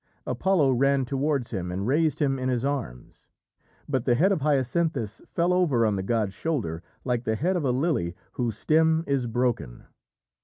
Apollo ran towards him and raised him in his arms. But the head of Hyacinthus fell over on the god's shoulder, like the head of a lily whose stem is broken.